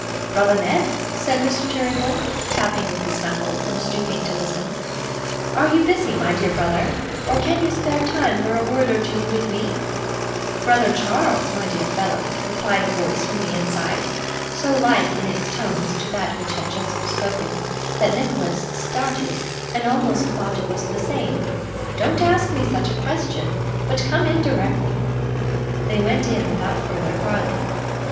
'Brother Ned,' said Mr. Cheeryble, tapping with his knuckles, and stooping to listen, 'are you busy, my dear brother, or can you spare time for a word or two with me?' 'Brother Charles, my dear fellow,' replied a voice from the inside, so like in its tones to that which had just spoken, that Nicholas started, and almost thought it was the same, 'don't ask me such a question, but come in directly.' They went in, without further parley.